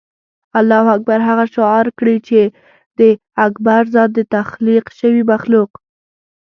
الله اکبر هغه شعار کړي چې د اکبر ذات د تخلیق شوي مخلوق.